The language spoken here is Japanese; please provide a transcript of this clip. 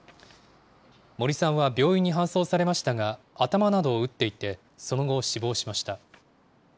森さんは病院に搬送されましたが、頭などを打っていて、その後、死亡しました。